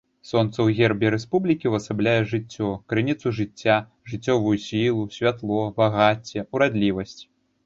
Сонца ў гербе рэспублікі ўвасабляе жыццё, крыніцу жыцця, жыццёвую сілу, святло, багацце, урадлівасць.